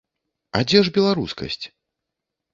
А дзе ж беларускасць?